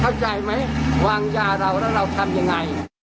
เข้าใจไหมวางยาเราแล้วเราทำยังไง